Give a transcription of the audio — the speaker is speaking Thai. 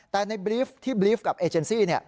แต่ในบรีฟที่บรีฟกับเอเจนซี่